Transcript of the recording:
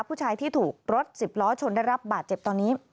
ผู้ชายที่ถูกรถสิบล้อชนได้รับบาดเจ็บตอนนี้